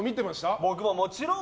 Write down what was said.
僕ももちろん。